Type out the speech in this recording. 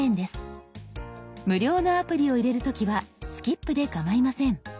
無料のアプリを入れる時は「スキップ」でかまいません。